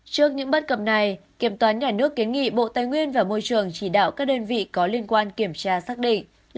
trước những bất cập này kiểm toán nhà nước kiến nghị bộ tài nguyên và môi trường chỉ đạo các đơn vị có liên quan kiểm tra xác định